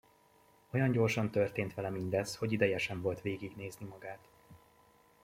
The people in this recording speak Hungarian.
Olyan gyorsan történt vele mindez, hogy ideje sem volt végignézni magát.